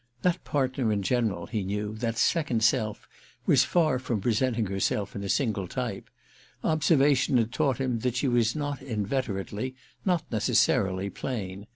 That partner in general, he knew, that second self, was far from presenting herself in a single type: observation had taught him that she was not inveterately, not necessarily plain.